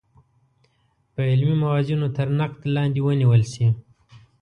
په علمي موازینو تر نقد لاندې ونیول شي.